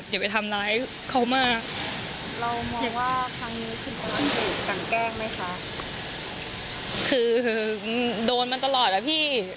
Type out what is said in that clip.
คือโดนมันตลอดแล้วพี่